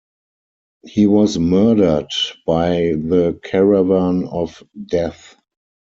He was murdered by the Caravan of Death.